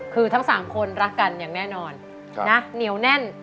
คือทั้ง๓คนรักกันอย่างแน่นอนนะเหนียวแน่น